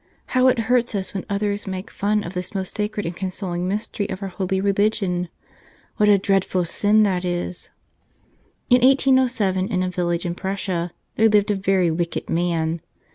how it hurts us when others make fun of this most sacred and consoling mystery of our holy religion ! What a dreadful sin that is ! In 1807, in a village in Prussia, there lived a very wicked man.